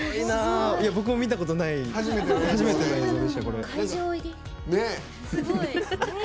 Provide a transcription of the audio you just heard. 僕も見たことない初めての映像でした。